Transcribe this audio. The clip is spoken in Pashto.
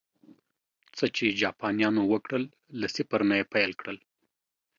څه چې جاپانيانو وکړل، له صفر نه یې پیل کړل